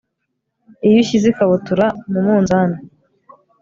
iyo ushyize ikabutura mu munzani